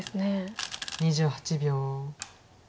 ２８秒。